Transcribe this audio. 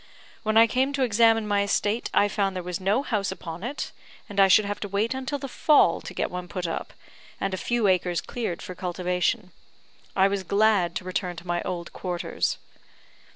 When I came to examine my estate, I found there was no house upon it, and I should have to wait until the fall to get one put up, and a few acres cleared for cultivation. I was glad to return to my old quarters.